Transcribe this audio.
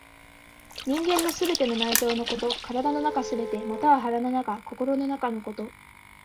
人間の全ての内臓のこと、体の中すべて、または腹の中、心の中のこと。